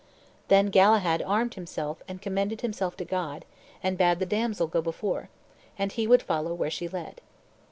Then Galahad armed himself and commended himself to God, and bade the damsel go before, and he would follow where she led.